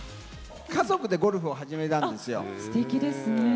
家族でゴルフを始めたんですすてきですね。